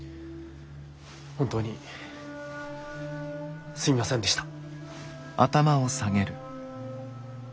本当にすみませんでした。